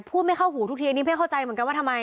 ไม่เข้าหูทุกทีอันนี้ไม่เข้าใจเหมือนกันว่าทำไม